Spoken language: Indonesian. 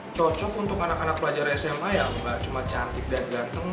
cocok untuk anak anak pelajar sma ya nggak cuma cantik dan ganteng